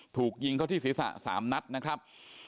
ถูกยิงเขาที่ศีรษะ๓นัดนะครับ